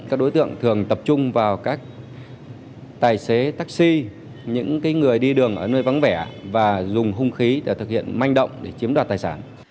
các đối tượng thường tập trung vào các tài xế taxi những người đi đường ở nơi vắng vẻ và dùng hung khí để thực hiện manh động để chiếm đoạt tài sản